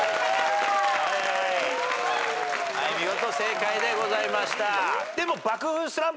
見事正解でございました。